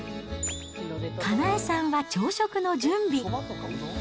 かなえさんは朝食の準備。